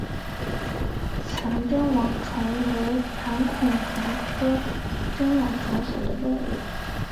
强针网虫为孔盘虫科针网虫属的动物。